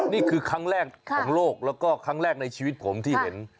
นี่คือครั้งแรกของโลกแล้วก็ครั้งแรกในชีวิตผมที่เห็น